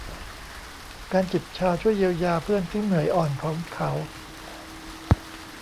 การจิบชาช่วยเยียวยาเพื่อนที่เหนื่อยอ่อนของเขา